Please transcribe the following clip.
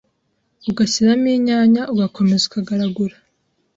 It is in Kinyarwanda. ugashyiramo inyanya, ugakomeza kugaragura